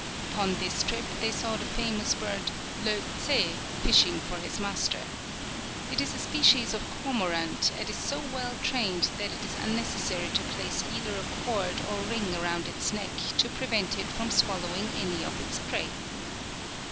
Upon this trip they saw the famous bird "Leutzé," fishing for its master. It is a species of cormorant, and is so well trained that it is unnecessary to place either a cord or ring round its neck to prevent it from swallowing any of its prey.